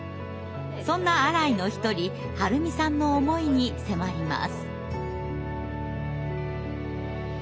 そんなアライの一人春美さんの思いに迫ります。